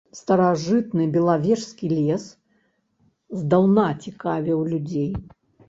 Старажытны белавежскі лес здаўна цікавіў людзей.